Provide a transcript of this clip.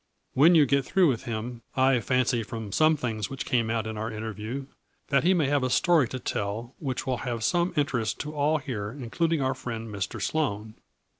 When you get through with him I fancy from some things which came out in our interview, that he may have a story, to tell which will have some interest to all here including our friend, Mr. Sloane."